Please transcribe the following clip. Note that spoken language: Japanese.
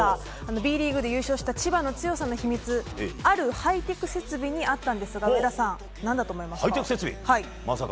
Ｂリーグで優勝した千葉の強さの秘密あるハイテク設備にあったんですが上田さん、何だと思いますか。